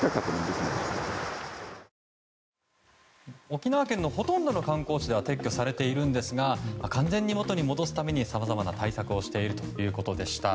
沖縄県のほとんどの観光地では撤去されているんですが完全に元に戻すためにさまざまな対策をしているということでした。